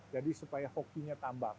jadi supaya hokinya tambah